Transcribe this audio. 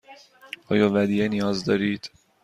آیا ودیعه نیاز دارید؟